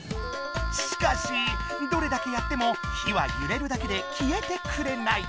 しかしどれだけやっても火はゆれるだけで消えてくれない。